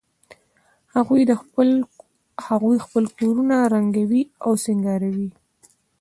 هغوی خپل کورونه رنګوي او سینګاروي